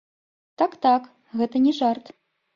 Так-так, гэта не жарт.